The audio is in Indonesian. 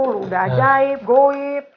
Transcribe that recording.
lu udah ajaib goit